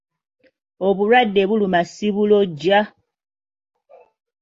Obulwadde buluma sibulojja.